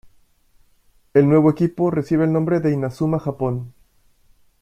El nuevo equipo recibe el nombre de Inazuma Japón.